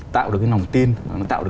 tạo được cái nồng tin nó tạo được